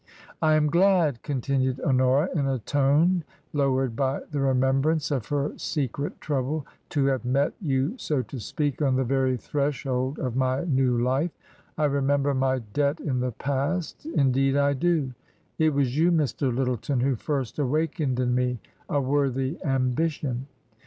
" I am gladl' continued Honora, in a tone lowered by the remembrance of her secret trouble, " to have met you, so to speak, on the very threshold of my new life. I remember my debt in the past — indeed I do ! It was you, Mr. Lyttleton, who first awakened in me a worthy ambition."